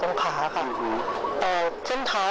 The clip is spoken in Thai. ก็คงระ้มอันนี้นะครับ